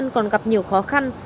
người dân còn gặp nhiều khó khăn